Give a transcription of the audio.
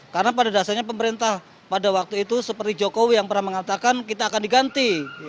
karena pada dasarnya pemerintah pada waktu itu seperti jokowi yang pernah mengatakan kita akan diganti